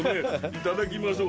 いただきましょう。